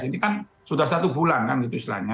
ini kan sudah satu bulan kan gitu istilahnya